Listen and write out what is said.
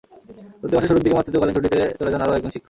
চলতি মাসের শুরুর দিকে মাতৃত্বকালীন ছুটিতে চলে যান আরও একজন শিক্ষক।